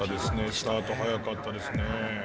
スタート速かったですね。